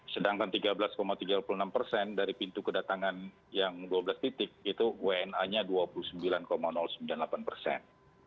sedangkan tiga belas tiga puluh enam persen dari pintu kedatangan yang dua belas titik itu wna nya dua puluh sembilan sembilan puluh delapan persen